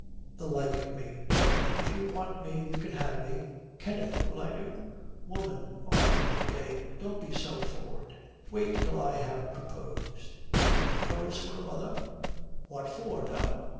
'The like of me! But if you want me you can have me.' 'Kenneth, will I do?' 'Woman,' artfully gay, 'don't be so forward. Wait till I have proposed.' 'Propose for a mother?' 'What for no?'